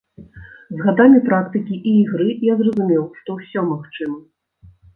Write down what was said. З гадамі практыкі і ігры я зразумеў, што ўсё магчыма.